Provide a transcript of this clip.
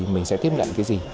mình sẽ tiếp nhận cái gì